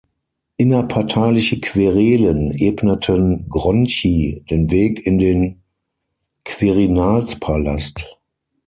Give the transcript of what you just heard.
Innerparteiliche Querelen ebneten Gronchi den Weg in den Quirinalspalast.